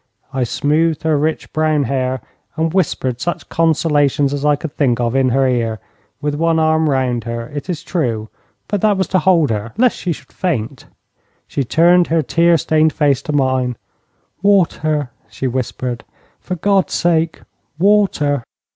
I smoothed her rich brown hair and whispered such consolations as I could think of in her ear, with one arm round her, it is true, but that was to hold her lest she should faint. She turned her tear stained face to mine. 'Water,' she whispered. 'For God's sake, water!'